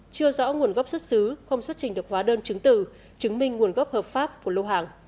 chưa rõ nguồn gốc xuất xứ không xuất trình được hóa đơn chứng từ chứng minh nguồn gốc hợp pháp của lô hàng